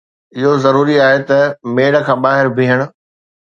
اهو ضروري آهي ته ميڙ کان ٻاهر بيهڻ